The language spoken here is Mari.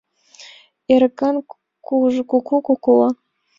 Эрыкан куку кукукла.